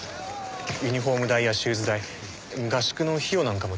ユニホーム代やシューズ代合宿の費用なんかも気にせずにね。